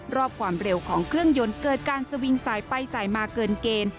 รอบความเร็วของเครื่องยนต์เกิดการสวิงสายไปสายมาเกินเกณฑ์